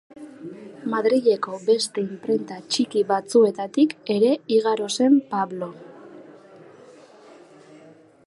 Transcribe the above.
Madrileko beste inprenta txiki batzuetatik ere igaro zen Pablo.